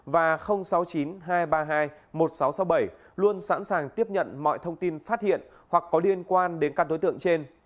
hai trăm ba mươi bốn năm nghìn tám trăm sáu mươi và sáu mươi chín hai trăm ba mươi hai một nghìn sáu trăm sáu mươi bảy luôn sẵn sàng tiếp nhận mọi thông tin phát hiện hoặc có liên quan đến các đối tượng trên